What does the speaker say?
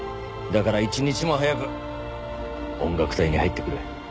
だから一日も早く音楽隊に入ってくれ。